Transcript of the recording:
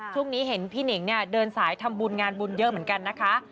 ช่วงนี้เห็นพี่หนิงเนี่ยเดินสายทำบุญงานบุญเยอะเหมือนกันนะคะ